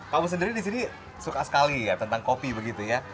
kamu sendiri di sini suka sekali ya tentang kopi begitu ya